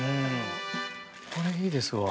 これはいいですわ。